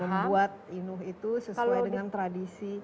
membuat inuh itu sesuai dengan tradisi